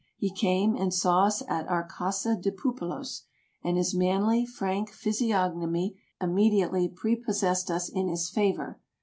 He came and saw us at our casa de pupilos, and his manly, frank physiog nomy immediately prepossessed us in his favor.